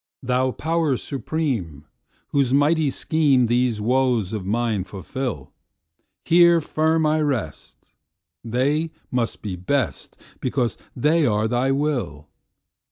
Thou Power Supreme, whose mighty schemeThese woes of mine fulfil, Here firm I rest; they must be best, Because they are Thy will!